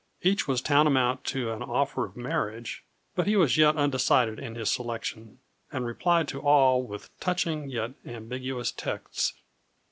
Each was tantamount to an offer of marriage; but he was yet undecided in his selection, and replied to all with touching yet ambiguous texts.